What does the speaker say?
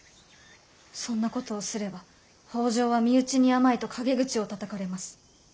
そんなことをすれば北条は身内に甘いと陰口をたたかれます。